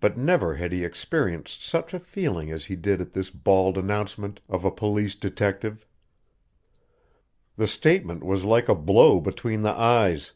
But never had he experienced such a feeling as he did at this bald announcement of a police detective. The statement was like a blow between the eyes.